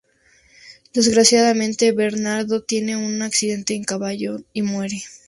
Desgraciadamente, Bernardo tiene un accidente de caballo y muere.